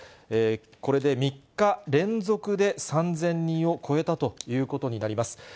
これで３日連続で３０００人を超えたということになります。